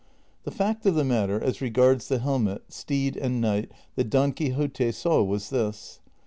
The fact of the matter as regards the helmet, steed, and knight that Don Quixote saw, was this.